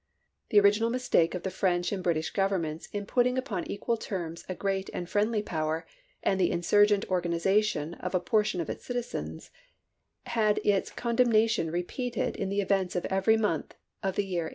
The original mistake of the French and British governments in putting upon equal terms a great and friendly power and the insurgent organization of a portion of its citizens, had its condemnation repeated in the events of every month of the year 1862.